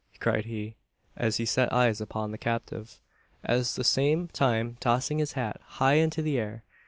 cried he, as he set eyes upon the captive, at the same time tossing his hat high into the air.